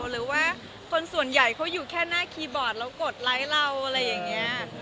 หรือว่าคนส่วนใหญ่เขาอยู่แค่หน้าคีย์บอร์ดเรากดไลค์เราอะไรอย่างนี้